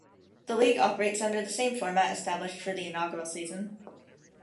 The league operates under the same format established for the inaugural season.